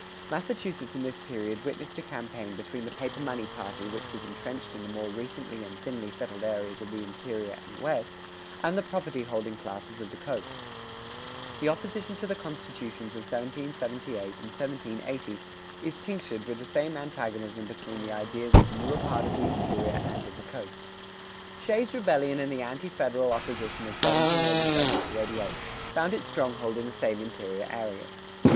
Massachusetts in this period witnessed a campaign between the paper money party which was entrenched in the more recently and thinly settled areas of the interior and west, and the property holding classes of the coast.[111:2] The opposition to the constitutions of 1778 and 1780 is tinctured with the same antagonism between the ideas of the newer part of the interior and of the coast.[112:1] Shays' Rebellion and the anti federal opposition of 1787 88 found its stronghold in the same interior areas.